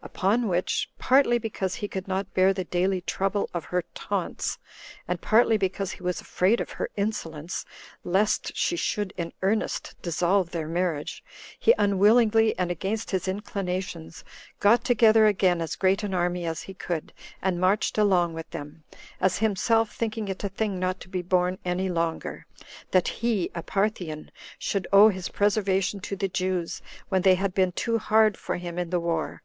Upon which, partly because he could not bear the daily trouble of her taunts, and partly because he was afraid of her insolence, lest she should in earnest dissolve their marriage, he unwillingly, and against his inclinations, got together again as great an army as he could, and marched along with them, as himself thinking it a thing not to be borne any longer, that he, a Parthian, should owe his preservation to the Jews, when they had been too hard for him in the war.